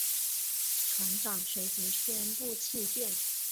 船长随即宣布弃舰。